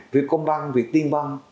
việt công băng việt tiên băng